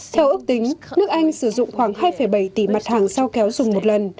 theo ước tính nước anh sử dụng khoảng hai bảy tỷ mặt hàng sao kéo dùng một lần